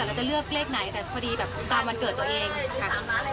เราจะเลือกเลขไหนแต่พอดีแบบตามวันเกิดตัวเองค่ะ